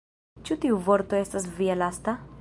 Ĉu tiu vorto estas via lasta?